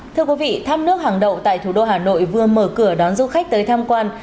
thưa quý vị thăm nước hàng đậu tại thủ đô hà nội vừa mở cửa đón du khách tới tham quan